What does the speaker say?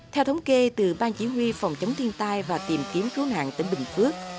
theo thống kê từ ban chỉ huy phòng chống thiên tai và tìm kiếm cứu nạn tỉnh bình phước